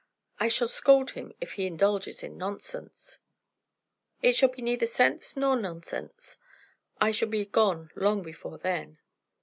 I shall scold him if he indulges in nonsense." "It will be neither sense nor nonsense. I shall be gone long before then."